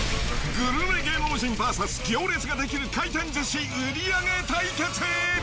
グルメ芸能人ＶＳ行列が出来る回転寿司売り上げ対決。